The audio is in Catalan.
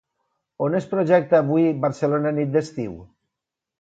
On es projecta avui "Barcelona, nit d'estiu"?